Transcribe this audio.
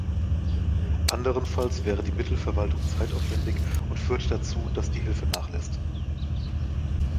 Anderenfalls wäre die Mittelverwaltung zeitaufwendig und führt dazu, dass die Hilfe nachlässt.